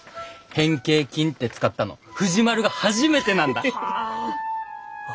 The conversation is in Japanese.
「変形菌」って使ったの藤丸が初めてなんだ！はあ！